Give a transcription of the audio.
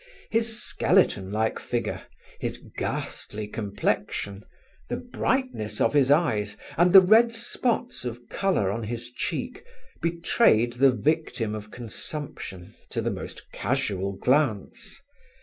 His skeleton like figure, his ghastly complexion, the brightness of his eyes, and the red spots of colour on his cheeks, betrayed the victim of consumption to the most casual glance.